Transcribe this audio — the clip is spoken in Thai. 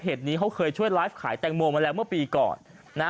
เหตุนี้เขาเคยช่วยไลฟ์ขายแตงโมมาแล้วเมื่อปีก่อนนะ